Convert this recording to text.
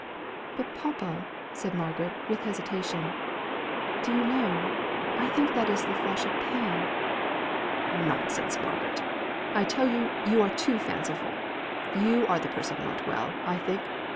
"But papa," said Margaret, with hesitation, "do you know I think that is the flush of pain." "Nonsense, Margaret. I tell you, you are too fanciful. You are the person not well, I think.